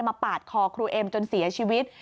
ปาดคอครูเอ็มจนเสียชีวิต